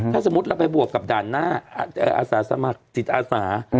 ถ้าสมมุติเราไปบวกกับด่านหน้าอาสาสมัครจิตอาสา